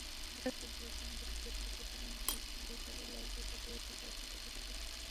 পোশাকশিল্প যেন সত্যি সত্যি প্রতিবন্ধী ব্যক্তিদের কাজে লাগিয়ে তাঁদের অধিকারকে প্রতিষ্ঠিত করে।